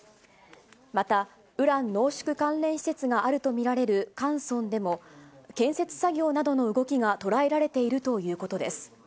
また、ウラン濃縮関連施設があると見られるカンソンでも、建設作業などの動きが捉えられているということです。